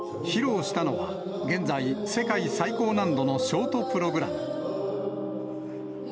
披露したのは、現在、世界最高難度のショートプログラム。